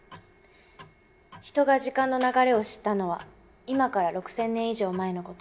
人が時間の流れを知ったのは今から６，０００年以上前の事。